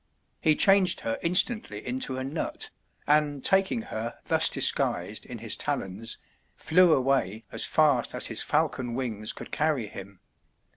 He changed her instantly into a nut, and taking her thus disguised in his talons, flew away as fast as his falcon wings could carry him.